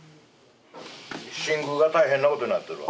新宮が大変なことになっとるわ。